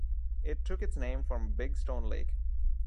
It took its name from Big Stone Lake.